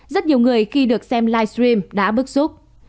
rất nhiều người khi được xem live stream đã bức xúc